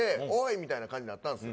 みたいな感じになったんです。